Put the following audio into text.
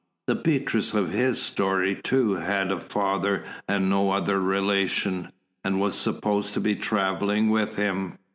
The Beatrice of his story too had a father and no other relation, and was supposed to be travelling with him.